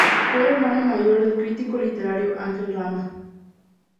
Fue el hermano mayor del crítico literario Ángel Rama.